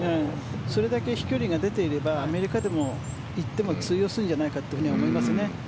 それだけ飛距離が出ていればアメリカに行っても通用するんじゃないかと思いますよね。